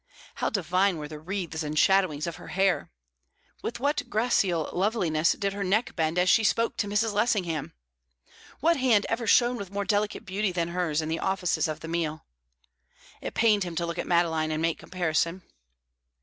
How divine were the wreaths and shadowings of her hair! With what gracile loveliness did her neck bend as she spoke to Mrs. Lessingham! What hand ever shone with more delicate beauty than hers in the offices of the meal? It pained him to look at Madeline and make comparison.